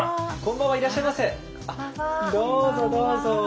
どうぞどうぞ。